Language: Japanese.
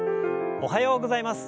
おはようございます。